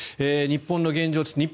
日本の現状です。